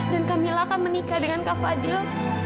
dan kamila akan menikah dengan kak fadil